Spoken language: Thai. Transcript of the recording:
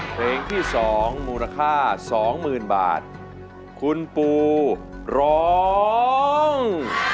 เพลงที่สองมูลค่าสองหมื่นบาทคุณปูร้อง